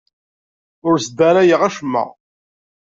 Ur sdarayeɣ acemma.